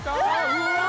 うわ！